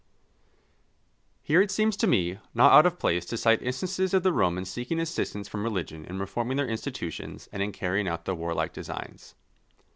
_ Here it seems to me not out of place to cite instances of the Romans seeking assistance from religion in reforming their institutions and in carrying out their warlike designs.